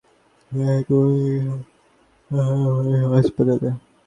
সেখান থেকে উন্নত চিকিৎসার জন্য পাঠানো হয়েছে এই হাসপাতালে।